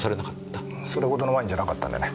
それほどのワインじゃなかったんでね。